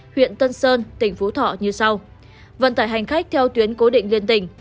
huyện tân sơn tỉnh phú thọ như sau vận tải hành khách theo tuyến cố định liên tỉnh